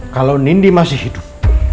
kalau nindi masih hidup